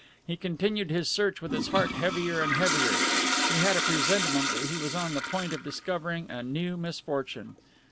He continued his search with his heart heavier and heavier, he had a presentiment that he was on the point of discovering a new misfortune.